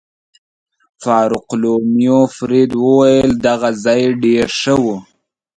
فاروقلومیو فرید وویل: دغه ځای ډېر ښه و.